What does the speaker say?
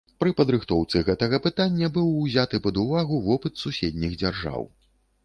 Пры падрыхтоўцы гэтага пытання быў узяты пад увагу вопыт суседніх дзяржаў.